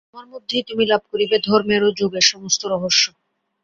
তোমার মধ্যেই তুমি লাভ করিবে ধর্মের ও যোগের সমস্ত রহস্য।